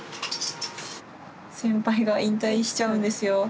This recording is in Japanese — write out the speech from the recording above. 先輩が引退しちゃうんですよ。